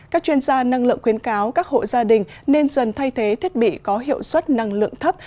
các chuyên gia năng lượng khuyến cáo các hộ gia đình nên dần thay thế thiết bị có hiệu suất năng lượng thấp